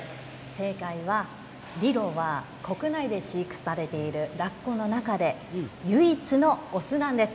正解はリロは国内で飼育されているラッコの中で唯一の雄なんです。